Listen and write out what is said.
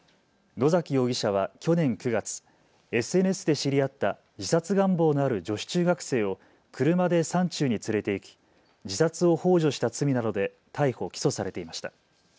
野崎容疑者は去年９月、ＳＮＳで知り合った自殺願望のある女子中学生を車で山中に連れていき自殺をほう助した罪などで逮捕・起訴されていました。